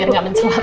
biar gak mencelap